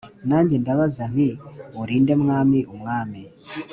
Nanjye ndabaza nti Uri nde Mwami Umwami